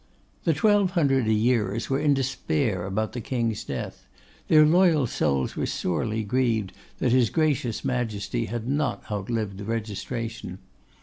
The twelve hundred a yearers were in despair about the King's death. Their loyal souls were sorely grieved that his gracious Majesty had not outlived the Registration.